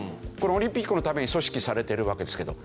オリンピックのために組織されてるわけですけど。